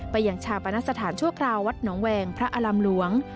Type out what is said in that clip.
อย่างชาปนสถานชั่วคราววัดหนองแวงพระอารำหลวง